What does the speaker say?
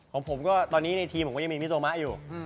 ของผมก็ตอนนี้ในทีมผมก็ยังมีมิโซมะอยู่